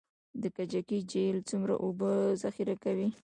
د کجکي جهیل څومره اوبه ذخیره کوي؟